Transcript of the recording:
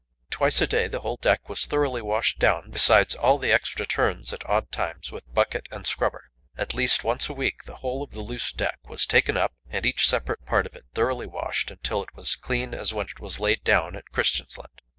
Twice a day the whole deck was thoroughly washed down, besides all the extra turns at odd times with bucket and scrubber. At least once a week the whole of the loose deck was taken up, and each separate part of it thoroughly washed, until it was as clean as when it was laid down at Christiansand.